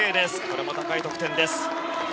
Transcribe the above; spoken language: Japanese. これも高い得点です。